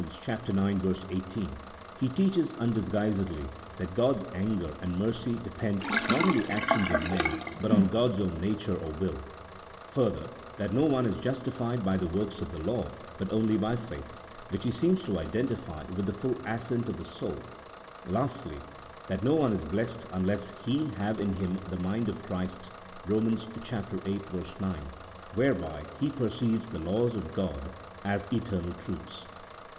ix. 18, he teaches undisguisedly that God's anger and mercy depend not on the actions of men, but on God's own nature or will ; further, that no one is justified by the works of the law, but only by faith, which he seems to identify with the full assent of the soul ; lastly, that no one is blessed unless he have in him the mind of Christ (Eom. viii. 9), whereby he perceives the laws of God as eternal truths.